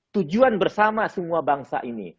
tujuan bersama semua bangsa ini